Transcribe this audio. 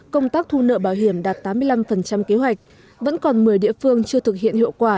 công tác thu nợ bảo hiểm đạt tám mươi năm kế hoạch vẫn còn một mươi địa phương chưa thực hiện hiệu quả